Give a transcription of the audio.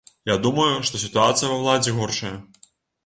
Я думаю, што сітуацыя ва ўладзе горшая.